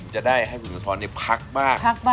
จะได้ให้คุณสุนทรรภักร์บ้าง